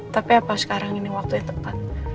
tapi apa sekarang ini waktunya tepat